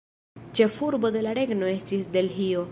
Ĉefurbo de la regno estis Delhio.